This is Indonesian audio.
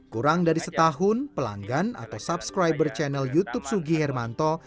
kurang dari setahun pelanggan atau subscriber channel youtube sugi hermanto